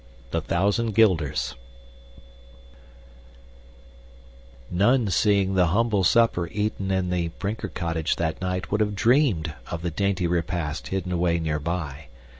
The Thousand Guilders None seeing the humble supper eaten in the Brinker cottage that night would have dreamed of the dainty repast hidden away nearby.